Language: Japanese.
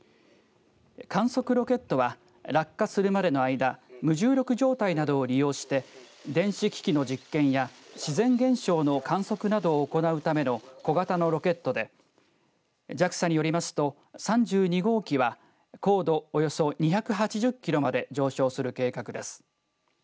観測ロケットは落下するまでの間無重力状態などを利用して電子機器の実験や自然現象の観測をなどを行うための小型のロケットでＪＡＸＡによりますと３２号機は高度およそ２８０キロまで上昇する計画です。